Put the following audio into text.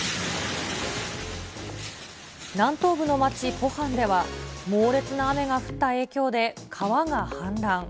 南東部の町、ポハンでは、猛烈な雨が降った影響で川が氾濫。